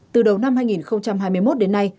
từ đầu năm hai nghìn hai mươi một đến nay